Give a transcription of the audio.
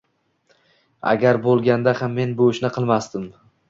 Agar bo’lganda ham men bu ishni qilmasdim